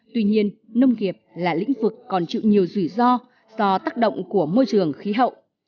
tuy nhiên nông nghiệp là lĩnh vực còn chịu nhiều rủi ro do tác động của môi trường khí hậu